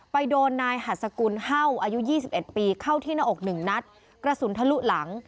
ไปโดนนายหัสกุลเฮ่าอายุ๒๑ปีเข้าที่หน้าอกหนึ่งนัดกระสุนทะลุหลัง